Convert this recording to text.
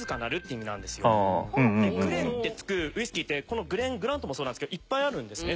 グレンってつくウイスキーってこのグレングラントもそうなんですけどいっぱいあるんですね